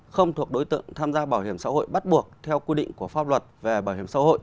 không thuộc đối tượng tham gia bảo hiểm xã hội bắt buộc theo quy định của pháp luật về bảo hiểm xã hội